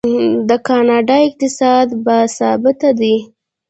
د کاناډا اقتصاد باثباته دی.